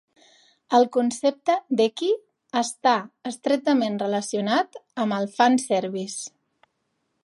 El concepte d'ecchi està estretament relacionat amb el fan service.